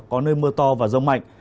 có nơi mưa to và rông mạnh